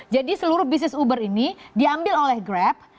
jadi seluruh bisnis uber ini diambil oleh grab